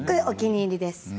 お気に入りです。